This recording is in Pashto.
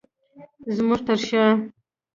زمونږ تر شاه